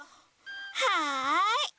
はい。